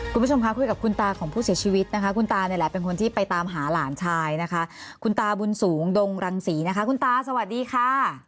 คุณผู้ชมคะคุยกับคุณตาของผู้เสียชีวิตนะคะคุณตาเนี่ยแหละเป็นคนที่ไปตามหาหลานชายนะคะคุณตาบุญสูงดงรังศรีนะคะคุณตาสวัสดีค่ะ